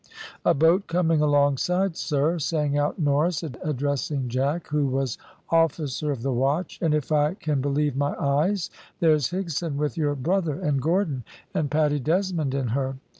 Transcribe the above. "A boat coming alongside, sir," sang out Norris, addressing Jack, who was officer of the watch, "and if I can believe my eyes, there's Higson, with your brother, and Gordon, and Paddy Desmond in her."